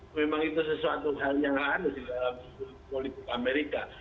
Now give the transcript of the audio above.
ya memang itu sesuatu yang harus di dalam politik amerika